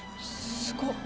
すごっ！